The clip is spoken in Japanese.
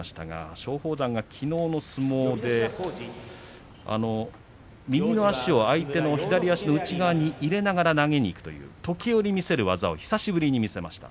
松鳳山がきのうの相撲で右の足を相手の左足の内側に入れながら投げにいくという時折見せる技を久しぶりに見せました。